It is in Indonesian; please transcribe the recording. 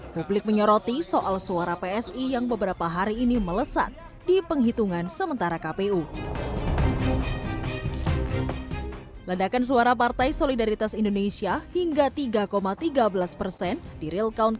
publik menyoroti soal suara psi yang beberapa hari ini melesat di penghitungan sementara kpu